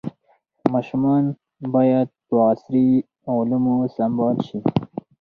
ماشومان باید په عصري علومو سمبال شي.